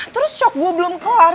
terus shock gue belum keluar